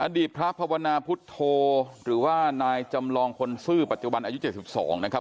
อดีตพระภาวนาพุทธโธหรือว่านายจำลองคนซื่อปัจจุบันอายุ๗๒นะครับ